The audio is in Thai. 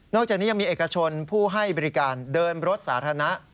อกจากนี้ยังมีเอกชนผู้ให้บริการเดินรถสาธารณะ